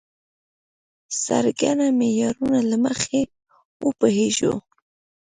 څرنګه معیارونو له مخې وپوهېږو.